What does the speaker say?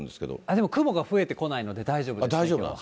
でも雲が増えてこないので大丈夫です。